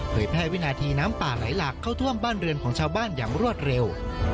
แพร่วินาทีน้ำป่าไหลหลากเข้าท่วมบ้านเรือนของชาวบ้านอย่างรวดเร็ว